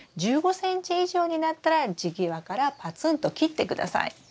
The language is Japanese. １５ｃｍ以上になったら地際からパツンと切って下さい。